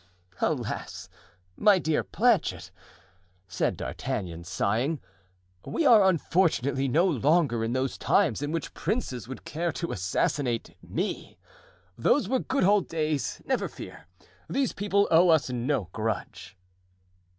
"Alas! my dear Planchet," said D'Artagnan, sighing, "we are unfortunately no longer in those times in which princes would care to assassinate me. Those were good old days; never fear—these people owe us no grudge."